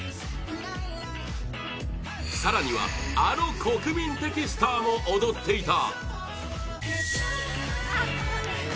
更には、あの国民的スターも踊っていた！